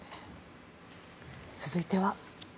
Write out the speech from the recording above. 続いては。